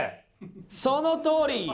そのとおり！